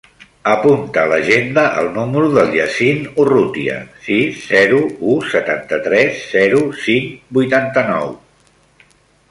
Apunta a l'agenda el número del Yassine Urrutia: sis, zero, u, setanta-tres, zero, cinc, vuitanta-nou.